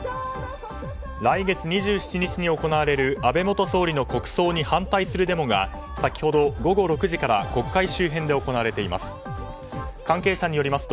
来月２７日行われる安倍元総理の国葬に反対するデモが先ほど午後６時から国会周辺で行われています。